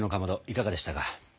いかがでしたか？